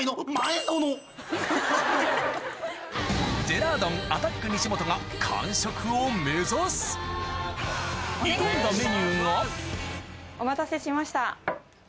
ジェラードン・アタック西本が完食を目指す挑んだメニューがお待たせしました。